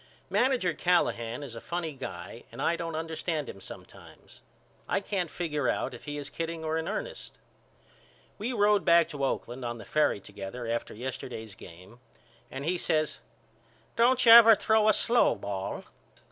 Manager Callahan is a funny guy and I don't understand him sometimes. I can't figure out if he is kidding or in ernest. We road back to Oakland on the ferry together after yesterday's game and he says Don't you never throw a slow ball?